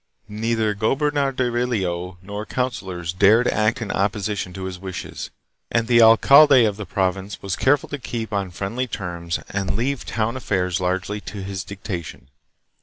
Neither gobernador eillo nor councillors dared act in opposition to his wishes, and the alcalde of the province was careful to keep on friendly terms and leave town affairs largely to his dicta tion.